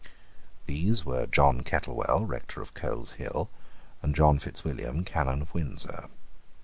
These were John Kettlewell, Rector of Coleshill, and John Fitzwilliam, Canon of Windsor.